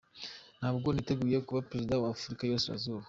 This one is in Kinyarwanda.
Ntabwo niteguye kuba Perezida wa Afurika y’Iburasirazuba’.